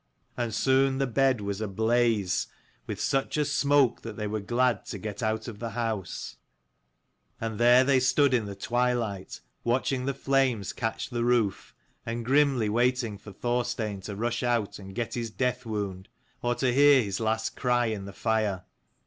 And soon the bed was ablaze, with such a 231 smoke that they were glad to get out of the house : and there they stood in the twilight, watching the flames catch the roof, and grimly waiting for Thorstein to rush out and get his death wound, or to hear his last cry in the fire.